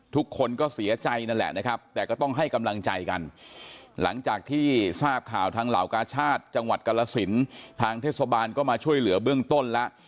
ทุกคนก็เสียใจนั่นแหละนะครับแต่ก็ต้องให้กำลังใจกันหลังจากที่ทราบข่าวทางเหล่ากาชาติจังหวัดกรสินทางเทศบาลก็มาช่วยเหลือเบื้องต้นแล้ว